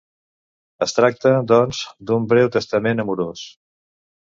Es tracta, doncs, d'un breu testament amorós.